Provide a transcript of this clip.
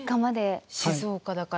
静岡だから。